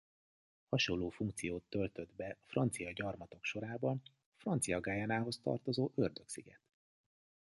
Hasonló funkciót töltött be a francia gyarmatok sorában a Francia Guyanához tartozó Ördög-sziget.